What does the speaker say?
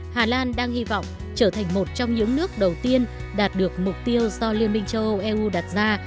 hà lan đang hy vọng trở thành một trong những nước đầu tiên đạt được mục tiêu do liên minh châu âu eu đặt ra